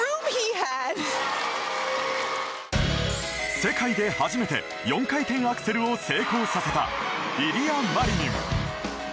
世界で初めて４回転アクセルを成功させたイリア・マリニン。